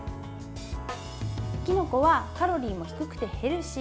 きのこはカロリーも低くてヘルシー。